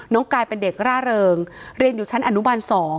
กายเป็นเด็กร่าเริงเรียนอยู่ชั้นอนุบาล๒